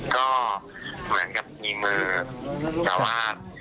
ก็เหมือนกับมีมือแต่ว่า